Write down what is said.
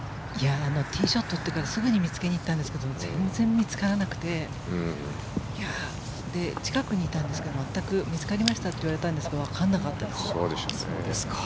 ティーショットのあとすぐに見つけにいったんですけど全然見つからなくて近くにいたんですけど見つかりましたと言われたんですがわからなかったです。